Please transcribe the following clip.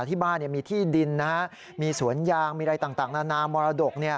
ที่บ้านมีที่ดินมีสวนยางมีอะไรต่างนานามรดก